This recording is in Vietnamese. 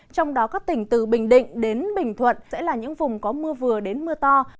trong đó các tỉnh từ bình định đến bình thuận sẽ là những vùng có mưa vừa đến mưa to